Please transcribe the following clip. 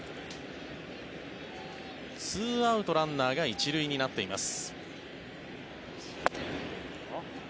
２アウトランナーが１塁になっています。